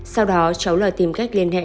sau đó cháu lò tìm cách liên hệ